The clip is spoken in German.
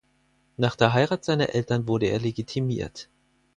Nach der Heirat seiner Eltern wurde er legitimiert.